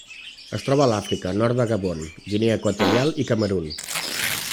Es troba a Àfrica: nord de Gabon, Guinea Equatorial i Camerun.